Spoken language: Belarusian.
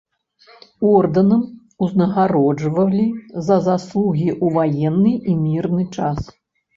Ордэнам узнагароджвалі за заслугі ў ваенны і мірны час.